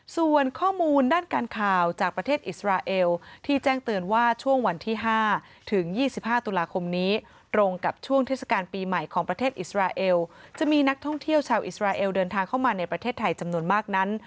ส่วนข้อมูลด้านการข่าวจากประเทศอิสราเอลที่แจ้งเตือนว่าช่วงวันที่๕ถึง๒๕ตุลาคมนี้ตรงกับช่วงเทศกาลปีใหม่ของประเทศอิสราเอลจะมีนักท่องเที่ยวชาวอิสราเอลเดินทางเข้ามาในประเทศไทยจำนวนมากนั้น